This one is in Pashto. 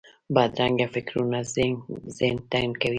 بدرنګه فکرونه ذهن تنګوي